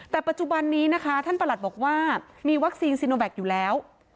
แต่ปัจจุบันนี้นะคะท่านประหลัดบอกว่ามีวัคซีนซีโนแกคอยู่แล้ว